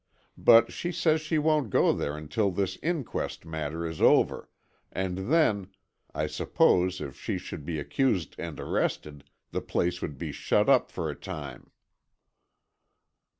But she says she won't go there until this inquest matter is over, and then, I suppose if she should be accused and arrested, the place would be shut up for a time."